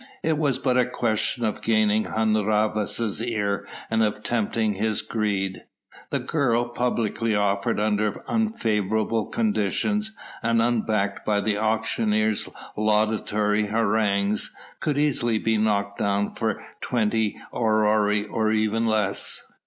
It was but a question of gaining Hun Rhavas' ear and of tempting his greed. The girl, publicly offered under unfavourable conditions, and unbacked by the auctioneer's laudatory harangues, could easily be knocked down for twenty aurei or even less.